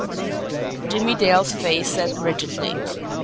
Jimmie Dale's face set rigidly.